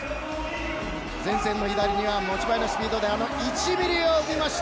前線、左には持ち前のスペースであの１ｍｍを生みました。